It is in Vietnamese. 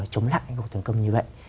chống lại những tấn công như vậy